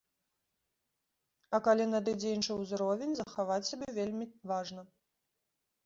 А калі надыдзе іншы ўзровень, захаваць сябе вельмі важна.